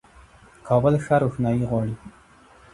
کابل ښه روښنايي غواړي.